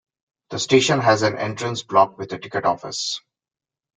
The station has an entrance block with a ticket office.